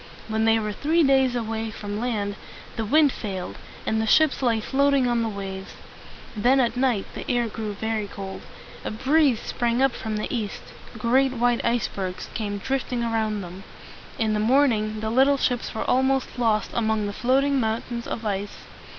When they were three days from land, the wind failed, and the ships lay floating on the waves. Then at night the air grew very cold. A breeze sprang up from the east. Great white ice bergs came drifting around them. In the morning the little ships were almost lost among the floating mountains of ice.